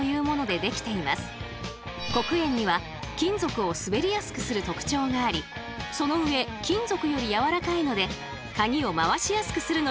黒鉛には金属を滑りやすくする特徴がありそのうえ金属よりやわらかいので鍵を回しやすくするのにピッタリ。